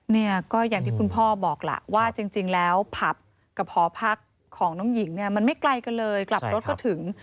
เนี่ยก็อย่างที่คุณพ่อบอกล่ะว่าจริงแล้วผับกับหอพักของน้องหญิงเนี่ยมันไม่ไกลกันเลยกลับรถก็ถึง